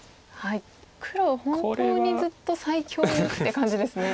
黒本当にずっと最強にって感じですね。